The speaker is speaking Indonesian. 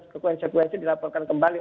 kekuensia kekuensia dilaporkan kembali